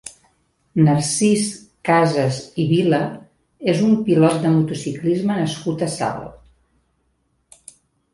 Narcís Casas i Vila és un pilot de motociclisme nascut a Salt.